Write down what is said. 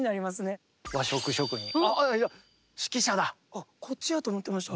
ちょっとあっこっちやと思ってました。